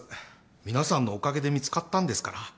皆さんのおかげで見つかったんですから。